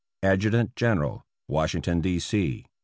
Adjutant General, Washington, D. C.